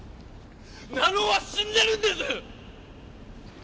成尾は死んでるんです！